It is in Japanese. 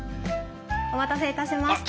お待たせいたしました。